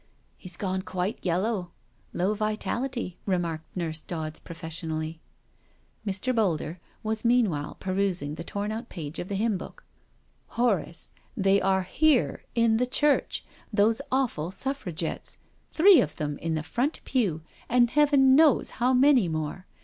" He's gone quite yellow— low vitality," remarked Nurse Dodds professionally. Mr. Boulder was meanwhile perusing the torn out page of the hynm book. " Horace— they are here— in the church. Those awful Suffragettes. Three of them in the front pew and Heaven knows how many more.